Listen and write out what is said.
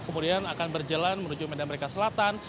kemudian akan berjalan menuju medan merdeka selatan